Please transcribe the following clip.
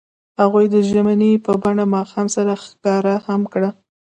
هغوی د ژمنې په بڼه ماښام سره ښکاره هم کړه.